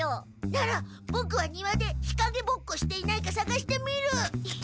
ならボクは庭で日かげぼっこしていないかさがしてみる。